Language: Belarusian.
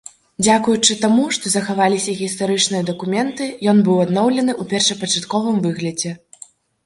Дзякуючы таму, што захаваліся гістарычныя дакументы, ён быў адноўлены ў першапачатковым выглядзе.